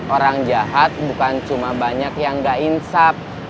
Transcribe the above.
orang jahat bukan cuma banyak yang gak insab